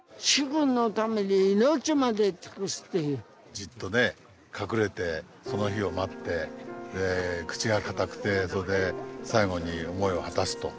じっとね隠れてその日を待って口が堅くてそれで最後に思いを果たすと。